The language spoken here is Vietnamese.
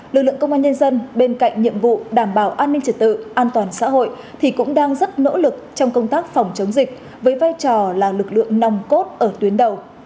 lực lượng công an nhân dân bên cạnh nhiệm vụ đảm bảo an ninh trật tự an toàn xã hội thì cũng đang rất nỗ lực trong công tác phòng chống dịch với vai trò là lực lượng nòng cốt ở tuyến đầu